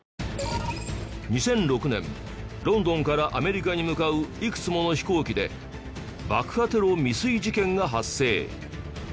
２００６年ロンドンからアメリカに向かういくつもの飛行機で爆破テロ未遂事件が発生。